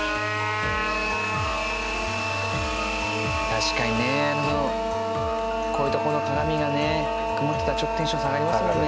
確かにねこういうとこの鏡がね曇ってたらちょっとテンション下がりますもんね。